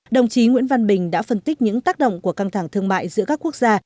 đồng chí nguyễn văn bình đã phân tích những tác động của căng thẳng thương mại giữa các quốc gia